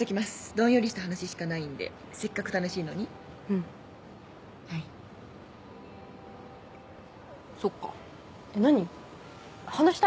どんよりした話しかないんでせっかく楽しいのにうんはいそっか何？話したいの？